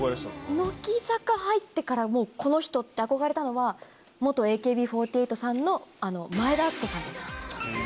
乃木坂入ってから、もうこの人って憧れたのは、元ＡＫＢ４８さんの前田敦子さんです。